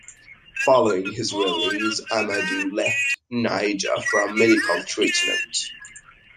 Following his release, Amadou left Niger for medical treatment.